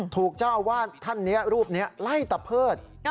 ถูกเจ้าอาวาสท่านนี้รูปนี้ไล่ตะเพิด